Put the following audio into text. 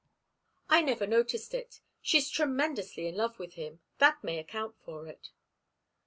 "I never noticed it. She's tremendously in love with him. That may account for it."